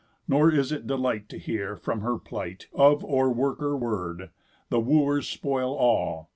Nor is it delight To hear, from her plight, of or work or word; The Wooers spoil all.